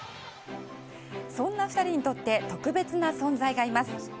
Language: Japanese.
そんな２人にとって特別な存在がいます。